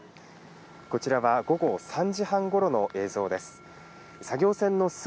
こちらは午後３時半ごろの映像です。